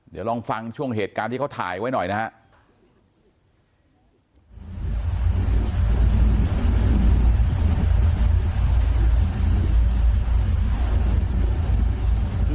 เดี๋ยวลองฟังช่วงเหตุการณ์ที่เขาถ่ายไว้หน่อยนะครับ